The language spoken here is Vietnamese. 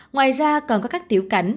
ngoài ra còn có các tiểu cảnh